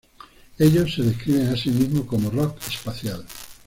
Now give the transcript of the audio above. Ellos se describen a sí mismos como rock espacial.